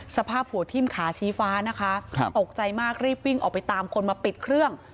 สภาพหัวทิ้มขาชี้ฟ้านะคะตกใจมากรีบวิ่งออกไปตามคนมาปิดเครื่อง